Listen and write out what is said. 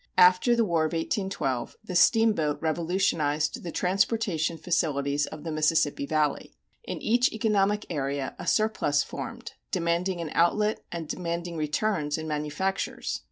After the War of 1812 the steamboat revolutionized the transportation facilities of the Mississippi Valley. In each economic area a surplus formed, demanding an outlet and demanding returns in manufactures.